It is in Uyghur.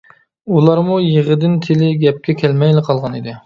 ئۇلارمۇ يىغىدىن تىلى گەپكە كەلمەيلا قالغانىدى.